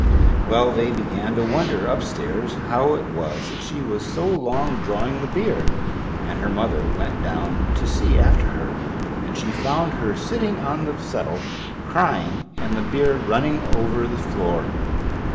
Well, they began to wonder upstairs how it was that she was so long drawing the beer, and her mother went down to see after her, and she found her sitting on the settle crying, and the beer running over the floor.